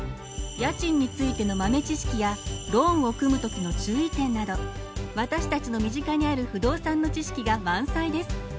家賃についての豆知識やローンを組む時の注意点など私たちの身近にある不動産の知識が満載です。